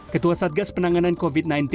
ketua satgas penanganan covid sembilan belas